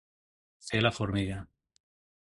Fer la formiga.